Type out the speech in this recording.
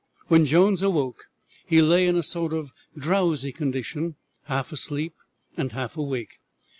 When Jones awoke he lay in a sort of drowsy condition half asleep and half awake.